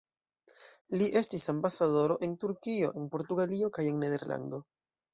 Li estis ambasadoro en Turkio, en Portugalio kaj en Nederlando.